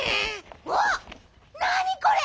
うわっなにこれ。